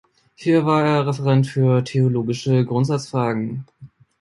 Hier war er Referent für theologische Grundsatzfragen.